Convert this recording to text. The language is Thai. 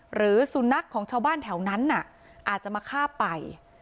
หรือศูนย์นักของชาวบ้านแถวนั้นน่ะอาจจะมาฆ่าไป